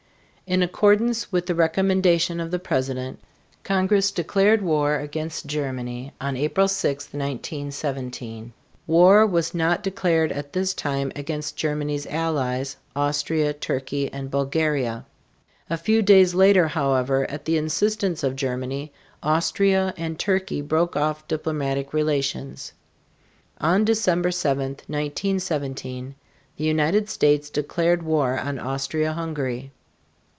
In accordance with the recommendation of the President, Congress declared war against Germany on April 6, 1917. War was not declared at this time against Germany's allies, Austria, Turkey, and Bulgaria. A few days later, however, at the instance of Germany, Austria and Turkey broke off diplomatic relations. On December 7, 1917, the United States declared war on Austria Hungary.